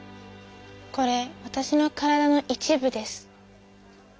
これわたしの体の一部です。